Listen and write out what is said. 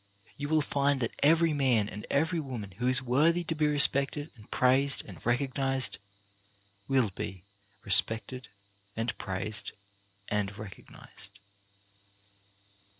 You will find that every man and every woman who is worthy to be respected and praised and recognized will be respected and praised and recognized.